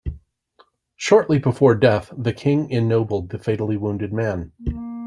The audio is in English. Shortly before death the King ennobled the fatally wounded man.